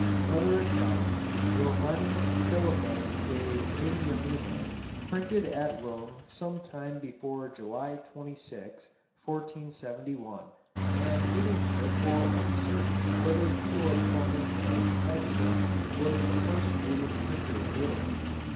Another Italian, Joannes Phillipus de Lignamine, printed at Rome some time before July 26, 1471, and it is therefore uncertain whether he or Clement of Padua was the first native printer of Italy.